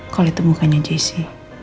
kalo itu mukanya jessy